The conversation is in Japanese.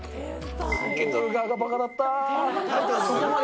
受け取る側がばかだった。